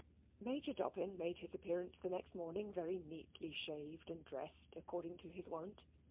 Major Dobbin made his appearance the next morning very neatly shaved and dressed, according to his wont.